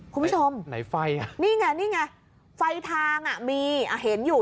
คุณผู้ชมไหนไฟอ่ะนี่ไงนี่ไงไฟทางอ่ะมีเห็นอยู่